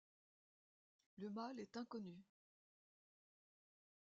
Le mâle est inconnu.